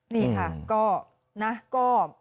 นี่ค่ะก็